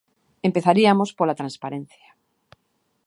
Empezariamos pola transparencia.